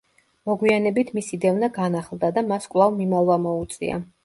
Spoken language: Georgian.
მოგვიანებით მისი დევნა განახლდა და მას კვლავ მიმალვა მოუწია.